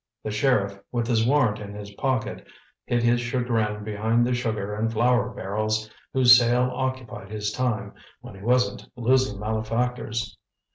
The sheriff, with his warrant in his pocket, hid his chagrin behind the sugar and flour barrels whose sale occupied his time when he wasn't losing malefactors.